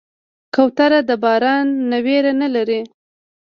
کوتره د باران نه ویره نه لري.